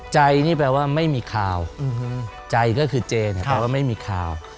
ใจนี่แปลว่าไม่มีคาวใจก็คือเจแปลว่าไม่มีคาว